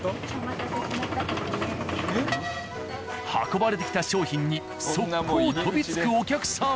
運ばれてきた商品に速攻飛びつくお客さん。